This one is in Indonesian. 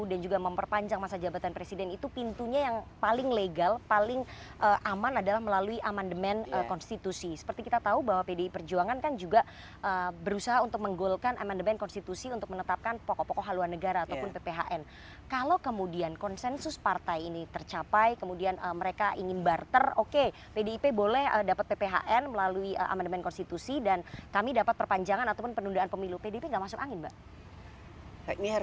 ataupun perpanjangan masa jabatan presiden itu adalah karena mereka khawatir proyek ibu kota negara ini akan mangkrak